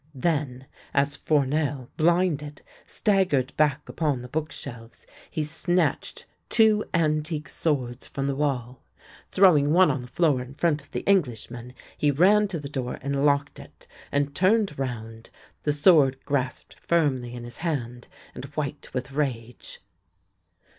Then, as Fournel, blinded, staggered back upon the book shelves, he snatched two antique swords from the wall. Throwing one on the floor in front of the Englishman, he ran to the door and locked it, and turned round, the sword grasped firmly in his hand, and white with rage.